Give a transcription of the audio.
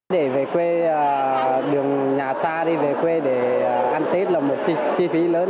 để về quê đường nhà xa đi về quê để ăn tết là một chi phí lớn